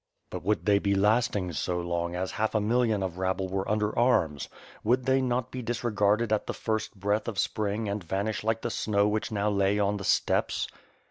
But would they be lasting so long as half a million of rabble were under arms; would they not be disregarded at the first breath of spring and vanish like the snow which now lay on the steppes?